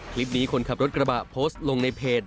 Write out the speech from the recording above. คลิปนี้คนขับรถกระบะโพสต์ลงในเพจ